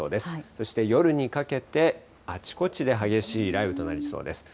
そして夜にかけて、あちこちで激しい雷雨となりそうです。